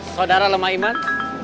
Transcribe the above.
saudara lemah iman